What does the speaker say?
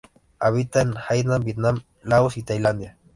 Habita en Hainan, Vietnam, Laos y Tailandia.